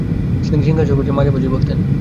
তিনি সিংহাসনে বসে মাঝে মাঝেই বলতেন: